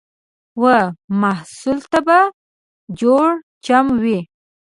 و محصل ته به جوړ چم وي